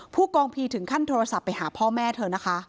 ผู้กองพีถึงขั้นโทรศัพท์ไปหาพ่อแม่เธอนะคะ